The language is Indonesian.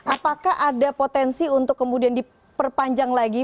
apakah ada potensi untuk kemudian diperpanjang lagi